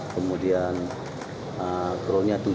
kemudian kronya tujuh